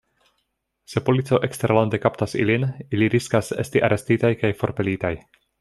Se polico eksterlande kaptas ilin, ili riskas esti arestitaj kaj forpelitaj.